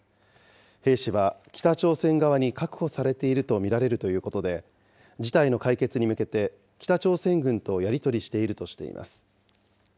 兵士は北朝鮮側に確保されていると見られるということで、事態の解決に向けて、北朝鮮軍とやり取りしているとしています。